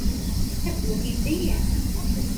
تبدو هنديا.